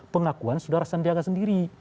pengakuan sudara sandiaga sendiri